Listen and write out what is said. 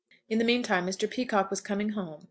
In the mean time Mr. Peacocke was coming home.